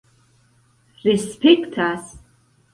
respektas